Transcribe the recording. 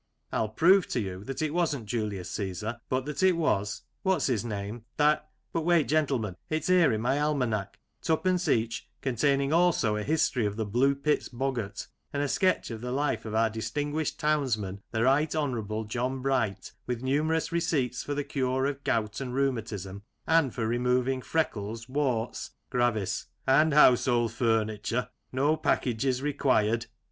I'll prove to you that it wasn't Julius Caesar, but that it was — what's his name, that — but wait, gentlemen, it's here in my almanac, twopence each, containing also a history of the " Blue Pits Boggart," and a sketch of the life of our dis tinguished townsman, the Right Hon. John Bright, with numerous receipts for the cure of gout and rheumatism, and for removing freckles, warts — Gravis: And household furniture — ^no packages re quired.